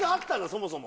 そもそも。